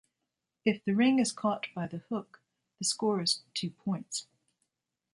If the ring is caught by the hook, the score is two points.